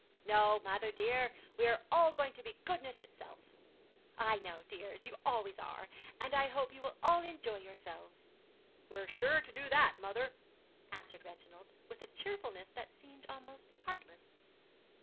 'No, mother dear, we are all going to be goodness itself.' 'I know, dears, you always are. And I hope you will all enjoy yourselves.' 'We're sure to do that, mother,' answered Reginald, with a cheerfulness that seemed almost heartless.